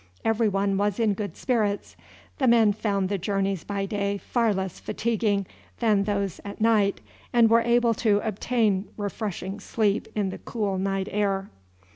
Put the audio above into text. Every one was in good spirits. The men found the journeys by day far less fatiguing than those at night, and were able to obtain refreshing sleep in the cool night air.